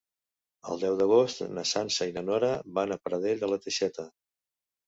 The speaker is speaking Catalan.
El deu d'agost na Sança i na Nora van a Pradell de la Teixeta.